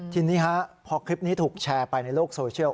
ทีนี้พอคลิปนี้ถูกแชร์ไปในโลกโซเชียล